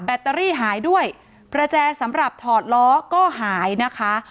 ตเตอรี่หายด้วยประแจสำหรับถอดล้อก็หายนะคะ